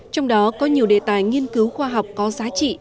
trong đó có nhiều đề tài nghiên cứu khoa học có giá trị mang tính ứng dụng cao